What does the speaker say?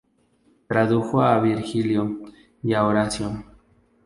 Tradujo a Virgilio y a Horacio.